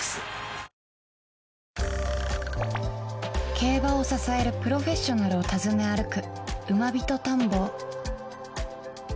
競馬を支えるプロフェッショナルを訪ね歩く